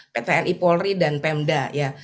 pt ni polri dan pemda ya